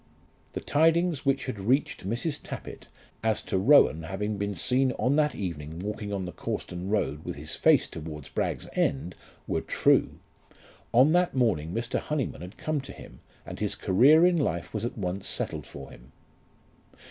The tidings which had reached Mrs. Tappitt as to Rowan having been seen on that evening walking on the Cawston road with his face towards Bragg's End were true. On that morning Mr. Honyman had come to him, and his career in life was at once settled for him.